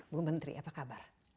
bu menteri apa kabar